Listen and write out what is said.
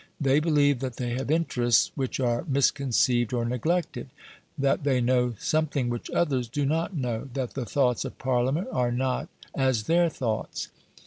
They believe that they have interests which are misconceived or neglected; that they know something which others do not know; that the thoughts of Parliament are not as their thoughts.